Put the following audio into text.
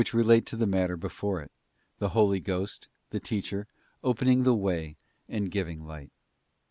relate to the matter before it; the Holy Ghost, the Teacher, opening the way and giving light.